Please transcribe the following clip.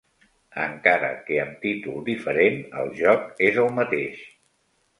Encara que amb títol diferent el joc és el mateix.